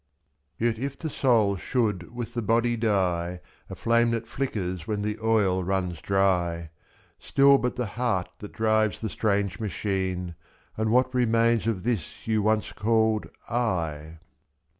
Yet if the soul should with the body die, A flame that flickers when the oil runs dry, iSu Still but the heart that drives the strange machine — And what remains of this you once called I"?